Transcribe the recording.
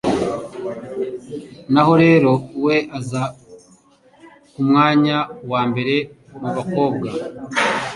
naho Rere we aza ku mwanya wambere mu bakobwa,